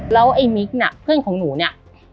แล้วไอ้มิกน่ะเพื่อนของหนูเนี่ย